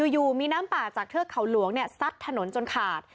อยู่มีน้ำป่าจากเทือกเขาหลวงซัดถนนจนขาด